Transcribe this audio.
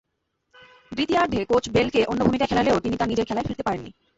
দ্বিতীয়ার্ধে কোচ বেলকে অন্য ভূমিকায় খেলালেও তিনি তাঁর নিজের খেলায় ফিরতে পারেননি।